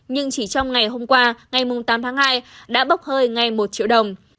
nhưng chỉ trong ngày hôm qua ngày tám tháng hai đã bốc hơi ngay một triệu đồng